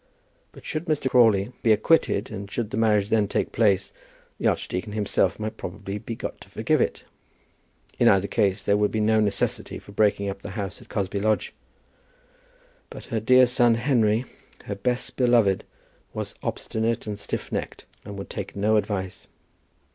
But should Mr. Crawley be acquitted, and should the marriage then take place, the archdeacon himself might probably be got to forgive it. In either case there would be no necessity for breaking up the house at Cosby Lodge. But her dear son Henry, her best beloved, was obstinate and stiff necked, and would take no advice.